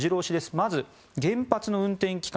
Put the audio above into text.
まず原発の運転期間